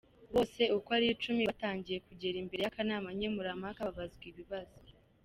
Bose uko ari icumi batangiye kugera imbere y’akanama nkemurampaka babazwa ibibazo.